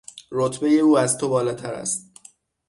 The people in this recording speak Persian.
رتبهی او از تو بالاتر است.